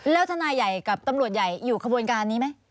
แล้วฮะท่านใหญ่กับตำรวจไข่อยู่ขบวนการนี้มั้ย